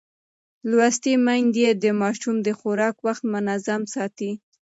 لوستې میندې د ماشوم د خوراک وخت منظم ساتي.